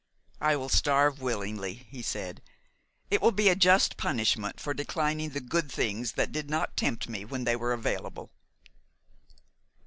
"I shall starve willingly," he said. "It will be a just punishment for declining the good things that did not tempt me when they were available."